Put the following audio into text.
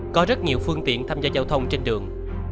có rất nhiều phương tiện tham gia giao thông trên đường